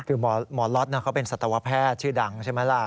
คือหมอล็อตเขาเป็นสัตวแพทย์ชื่อดังใช่ไหมล่ะ